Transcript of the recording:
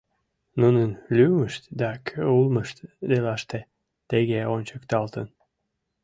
Нунын лӱмышт да кӧ улмышт делаште тыге ончыкталтын: